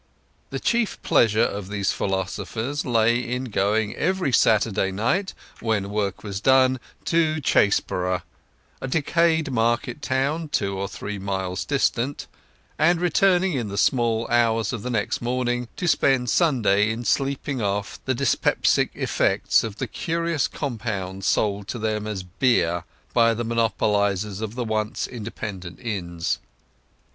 The chief pleasure of these philosophers lay in going every Saturday night, when work was done, to Chaseborough, a decayed market town two or three miles distant; and, returning in the small hours of the next morning, to spend Sunday in sleeping off the dyspeptic effects of the curious compounds sold to them as beer by the monopolizers of the once independent inns.